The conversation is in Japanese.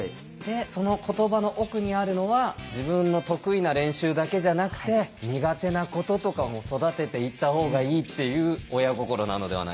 その言葉の奥にあるのは自分の得意な練習だけじゃなくて苦手なこととかも育てていった方がいいっていう親心なのではないかと。